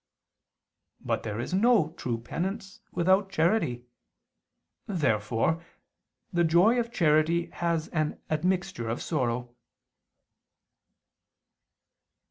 But there is no true penance without charity. Therefore the joy of charity has an admixture of sorrow.